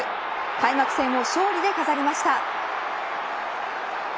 開幕戦を勝利で飾りました。